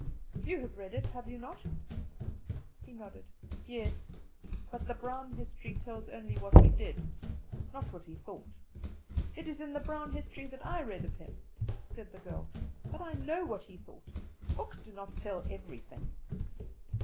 "You have read it, have you not?" He nodded. "Yes; but the Brown history tells only what he did, not what he thought." "It was in the Brown history that I read of him," said the girl; "but I know what he thought. Books do not tell everything."